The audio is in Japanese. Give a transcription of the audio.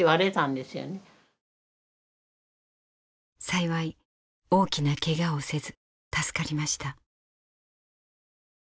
幸い大きなケガをせず助かりました。